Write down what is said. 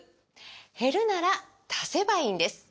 減るなら足せばいいんです！